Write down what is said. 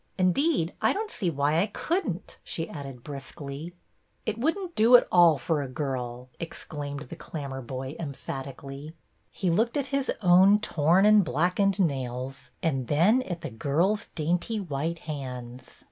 Indeed, I don't see why I could n't," she added briskly. '' It would n't do at all for a girl," exclaimed the Clammerboy, emphatically. He looked at his own torn and blackened nails and then at the girl's dainty white hands.